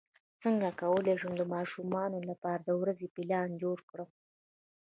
څنګه کولی شم د ماشومانو لپاره د ورځې پلان جوړ کړم